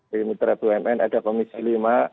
pemitra bumn ada komisi lima